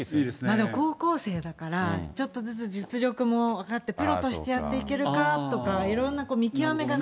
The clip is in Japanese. まだ高校生だから、ちょっとずつ実力も分かって、プロとしてやっていけるかとか、いろんな見極めがね。